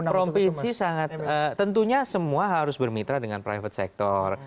provinsi sangat tentunya semua harus bermitra dengan private sector